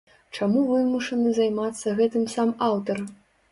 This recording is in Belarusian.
Чаму вымушаны займацца гэтым сам аўтар?